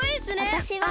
わたしは。